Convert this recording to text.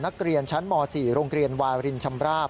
นักเรียนชั้นม๔โรงเรียนวารินชำราบ